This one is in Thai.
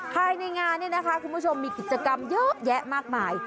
ภายในงานเนี่ยนะคะคุณผู้ชมมีกิจกรรมเยอะแยะมากมาย